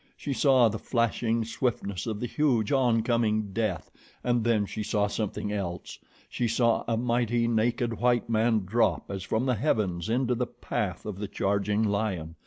She saw the flashing swiftness of the huge, oncoming death, and then she saw something else. She saw a mighty, naked white man drop as from the heavens into the path of the charging lion.